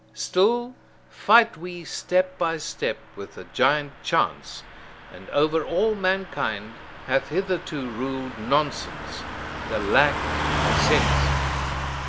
Still fight we step by step with the giant Chance, and over all mankind hath hitherto ruled nonsense, the lack of sense.